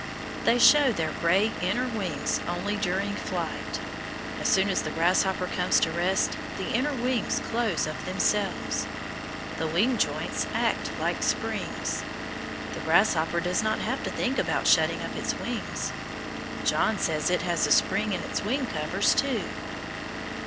They show their gay inner wings only during flight. As soon as the grasshopper comes to rest the inner wings close of themselves. The wing joints act like springs. The grasshopper does not have to think about shutting up its wings. John says it has a spring in its wing covers too.